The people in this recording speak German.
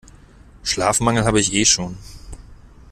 Schlafmangel habe ich eh schon.